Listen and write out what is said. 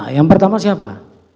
yang pertama siapa